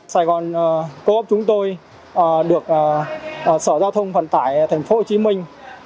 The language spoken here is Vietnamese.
sài gòn co op chúng tôi được sở giao thông vận tải thành phố hồ chí minh